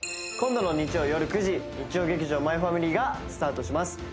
今度の日曜夜９時日曜劇場「マイファミリー」がスタートします